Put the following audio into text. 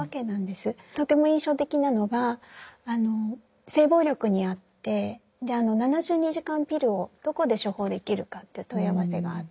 とても印象的なのが性暴力にあって７２時間ピルをどこで処方できるかという問い合わせがあって。